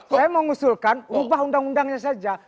saya mau ngusulkan ubah undang undangnya saja